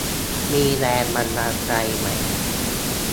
มีแรงบันดาลใจใหม่